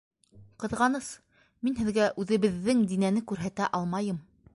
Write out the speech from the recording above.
Ҡыҙғаныс, мин һеҙгә үҙебеҙҙең Динәне күрһәтә алмайым.